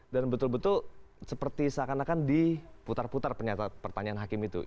dan betul betul seperti seakan akan diputar putar pertanyaan hakim itu